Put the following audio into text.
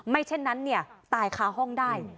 เช่นนั้นตายค้าห้องได้